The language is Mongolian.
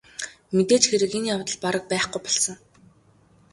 Мэдээж хэрэг энэ явдал бараг байхгүй болсон.